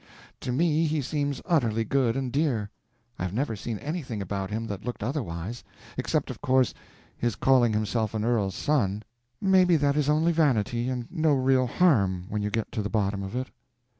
To me he seems utterly good and dear; I've never seen anything about him that looked otherwise—except, of course, his calling himself an earl's son. Maybe that is only vanity, and no real harm, when you get to the bottom of it.